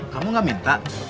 kamu gak minta